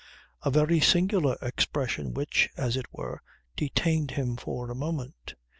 A very singular expression which, as it were, detained him for a moment.